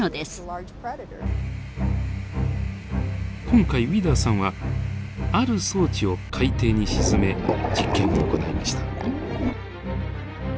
今回ウィダーさんはある装置を海底に沈め実験を行いました。